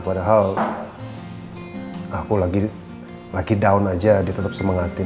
padahal aku lagi down aja dia tetap semangatin